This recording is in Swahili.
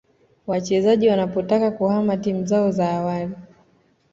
wachezaji wanapotaka kuhama timu zao za awali